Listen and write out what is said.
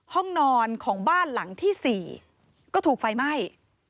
ห้องนอนของบ้านหลังที่๔ก็ถูกไฟไหม้